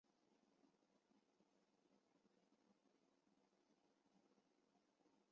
此时氧原子带正电荷。